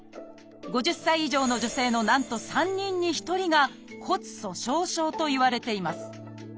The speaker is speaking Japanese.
５０歳以上の女性のなんと３人に１人が「骨粗しょう症」といわれています